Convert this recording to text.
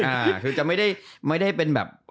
คือจะไม่ได้เป็นแบบ